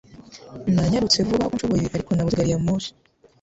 Nanyarutse vuba uko nshoboye, ariko nabuze gari ya moshi.